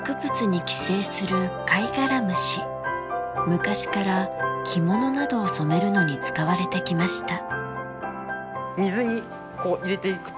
昔から着物などを染めるのに使われてきました。